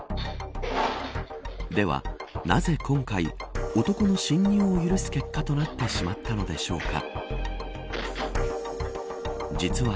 では、なぜ今回男の侵入を許す結果となってしまったのでしょうか。